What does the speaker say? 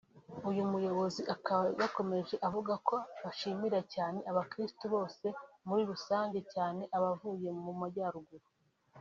uyu muyobozi akaba yakomeje avugako bashimira cyane Abakristo bose muri rusange cyane abavuye Mu Majyaruguru